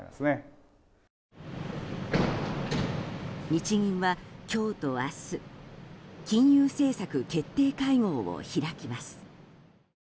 日銀は今日と明日金融政策決定会合を開きます。